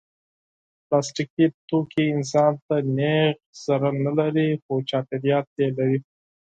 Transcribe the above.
پلاستيکي توکي انسان ته نېغ ضرر نه لري، خو چاپېریال ته لري.